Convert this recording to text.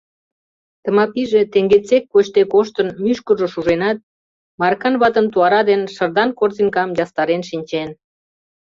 Тмапийже теҥгечсек кочде коштын, мӱшкыржӧ шуженат, Маркан ватын туара ден шырдан корзинкам ястарен шинчен.